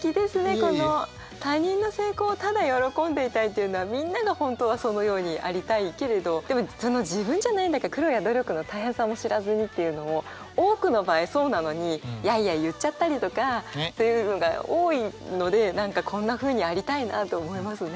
この「他人の成功をただ喜んでいたい」というのはみんなが本当はそのようにありたいけれどでも「自分じゃないんだから苦労や努力の大変さも知らずに」っていうのも多くの場合そうなのにやいやい言っちゃったりとかっていうのが多いので何かこんなふうにありたいなと思いますね。